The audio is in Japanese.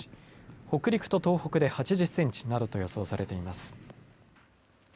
北陸と東北で８０センチなどと予想されています。